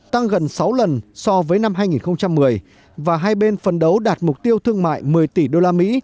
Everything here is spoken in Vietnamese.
tăng gần sáu lần so với năm hai nghìn một mươi và hai bên phấn đấu đạt mục tiêu thương mại một mươi tỷ đô la mỹ